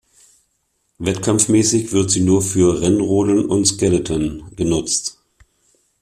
Wettkampfmäßig wird sie nur für Rennrodeln und Skeleton genutzt.